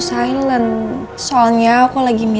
siapa yang ini